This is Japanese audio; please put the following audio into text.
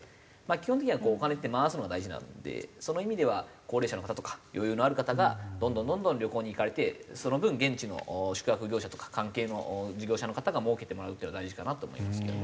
基本的にはお金って回すのが大事なのでその意味では高齢者の方とか余裕のある方がどんどんどんどん旅行に行かれてその分現地の宿泊業者とか関係の事業者の方がもうけてもらうっていうのは大事かなと思いますけどね。